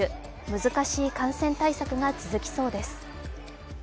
難しい感染対策が続きそうです。